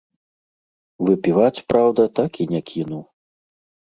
Выпіваць, праўда, так і не кінуў.